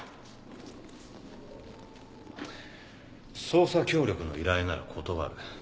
捜査協力の依頼なら断る。